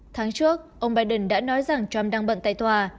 tháng trước ông biden đã nói rằng trump đang bận tại tòa